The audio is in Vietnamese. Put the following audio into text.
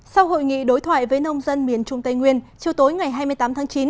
sau hội nghị đối thoại với nông dân miền trung tây nguyên chiều tối ngày hai mươi tám tháng chín